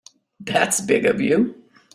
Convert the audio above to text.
That's big of you.